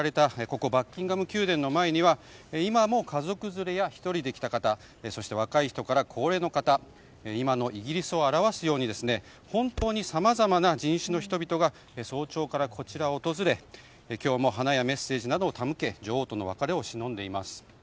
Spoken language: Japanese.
ここバッキンガム宮殿の前には今も家族連れや１人で来た方そして若い人から高齢の方今のイギリスを表すように本当にさまざまな人種の人々が早朝からこちらを訪れ今日も花やメッセージなどを手向け女王との別れをしのんでいます。